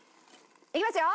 いきますよ。